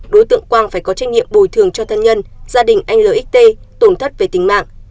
đối tượng quang phải có trách nhiệm bồi thường cho thân nhân gia đình anh lt tổn thất về tính mạng